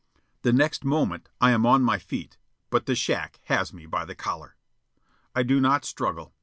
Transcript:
The next moment I am on my feet, but the shack has me by the collar. I do not struggle.